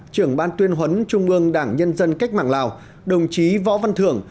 trưởng ban tuyên huấn trung ương đảng nhân dân cách mạng lào đồng chí võ văn thưởng